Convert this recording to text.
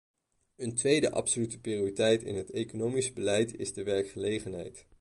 Een tweede absolute prioriteit in het economisch beleid is de werkgelegenheid.